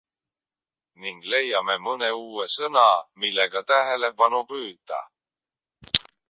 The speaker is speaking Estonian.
Ning leiame mõne uue sõna, millega tähelepanu püüda.